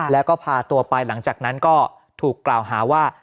แล้วก็พาตัวไปหลังจากนั้นก็ถูกกล่าวหาว่า